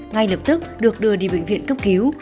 ngay lập tức được đưa đi bệnh viện cấp cứu